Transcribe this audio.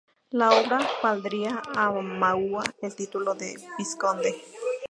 La obra valdría a Mauá el título de vizconde.